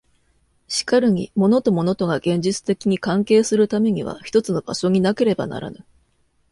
しかるに物と物とが現実的に関係するためには一つの場所になければならぬ。